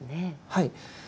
はい。